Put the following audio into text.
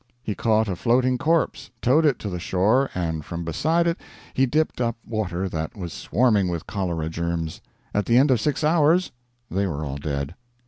He caught a floating corpse, towed it to the shore, and from beside it he dipped up water that was swarming with cholera germs; at the end of six hours they were all dead.